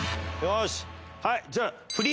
よしはいじゃあ。